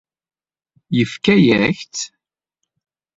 Yefka-yak-tt?